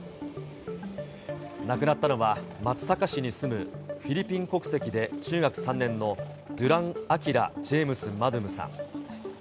亡くなったのは、松阪市に住むフィリピン国籍で中学３年のドゥラン・アキラ・ジェームス・マドゥムさん。